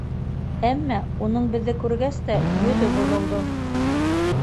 Әммә уның беҙҙе күргәс тә йөҙө боҙолдо.